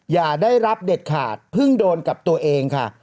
อย่าได้รับเด็ดขาดเพิ่งโดนกับตัวเองค่ะ